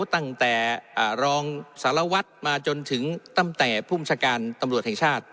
ตั้งแต่รองสารวัตรมาจนถึงตั้งแต่ภูมิชาการตำรวจแห่งชาติ